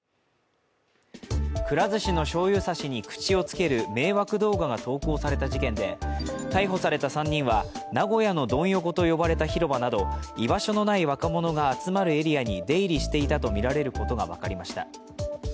くら寿司のしょうゆ差しに口をつける迷惑動画が投稿された事件で、逮捕された３人は名古屋のドン横と呼ばれる広場など居場所のない若者が集まるエリアに出入りしていたとみられることが分かりました。